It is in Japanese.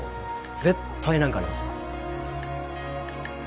絶対何かありますよ。